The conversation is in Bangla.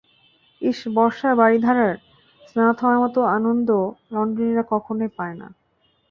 ইস, বর্ষার বারিধারায় স্নাত হওয়ার মতো আনন্দ লন্ডনিরা কখনোই পায় না।